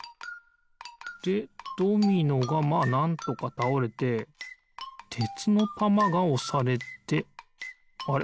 でドミノがまあなんとかたおれててつのたまがおされてあれ？